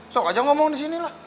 sok aja ngomong disini lah